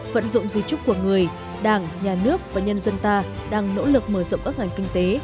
vẫn dụng di trúc của người đảng nhà nước và nhân dân ta đang nỗ lực mở rộng các ngành kinh tế